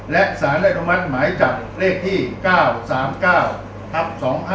และสารได้อนุมัติหมายจับเลขที่๙๓๙ทับ๒๕๖